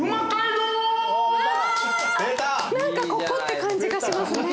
何かここって感じがしますね。